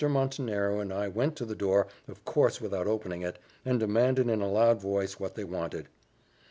Montenero and I went to the door, of course without opening it, and demanded, in a loud voice, what they wanted.